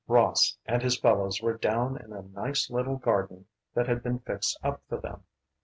Ross and his fellows were down in a nice little garden that had been fixed up for them.